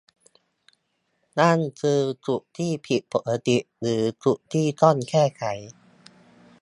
นั่นคือจุดที่ผิดปกติ หรือ จุดที่ต้องแก้ไข